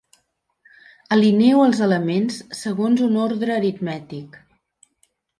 Alineo els elements segons un ordre aritmètic.